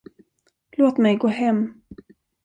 Låt mig gå hem.